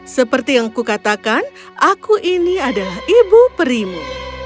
seperti yang kukatakan aku ini adalah ibu perimu